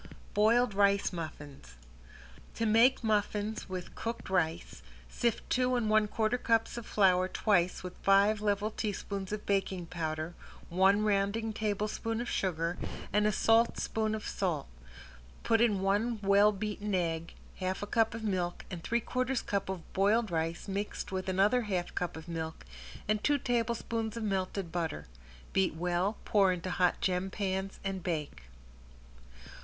~BOILED RICE MUFFINS~ To make muffins with cooked rice, sift two and one quarter cups of flour twice with five level teaspoons of baking powder, one rounding tablespoon of sugar, and a saltspoon of salt. Put in one well beaten egg, half a cup of milk, and three quarters cup of boiled rice mixed with another half cup of milk, and two tablespoons of melted butter. Beat well, pour into hot gem pans and bake.